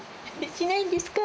しないんですか？